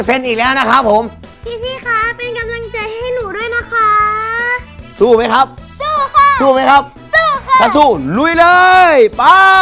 ล้านเปอร์เซ็นต์อีกแล้วนะครับผมพี่พี่คะเป็นกำลังใจให้หนูด้วยนะคะ